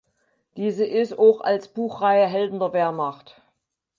Diese ist auch als Buchreihe "Helden der Wehrmacht.